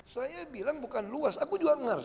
saya bilang bukan luas aku juga ngers